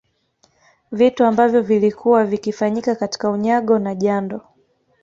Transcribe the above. Vitu ambavyo vilikuwa vikifanyika katika unyago na jando